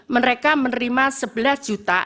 mereka menerima sebelas juta